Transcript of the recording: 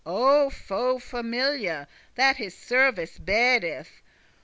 O foe familiar,* that his service bedeth!